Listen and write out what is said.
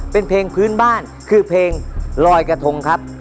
เป็นเพลงพื้นบ้านคือเพลงลอยกระทงครับ